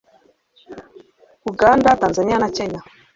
Uganda, Tanzania na Kenya